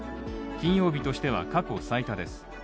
金曜日としては過去最多です。